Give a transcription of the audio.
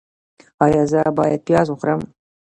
ایا زه باید پیاز وخورم؟